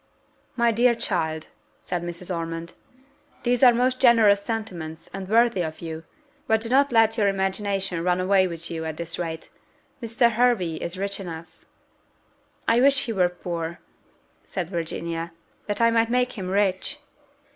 "My dear child," said Mrs. Ormond, "these are most generous sentiments, and worthy of you; but do not let your imagination run away with you at this rate Mr. Hervey is rich enough." "I wish he were poor," said Virginia, "that I might make him rich."